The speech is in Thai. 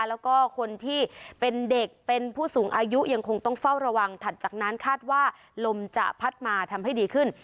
แล้วก็คนที่เป็นเด็กเป็นผู้สูงอายุยังคงต้องเฝ้าระวังถัดจากนั้นคาดว่าลมจะพัดมาทำให้ดีขึ้น